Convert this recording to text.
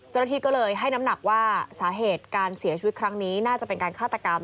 เจ้าหน้าที่ก็เลยให้น้ำหนักว่าสาเหตุการเสียชีวิตครั้งนี้น่าจะเป็นการฆาตกรรม